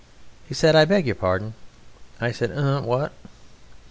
He said, "I beg your pardon." I said, "Eh, what?"